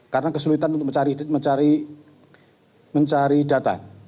karena kesulitan untuk mencari data